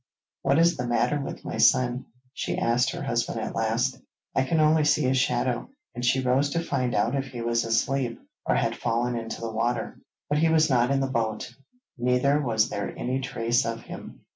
'What is the matter with my son?' she asked her husband at last. 'I can only see his shadow,' and she rose to find out if he was asleep or had fallen into the water. But he was not in the boat, neither was there any trace of him.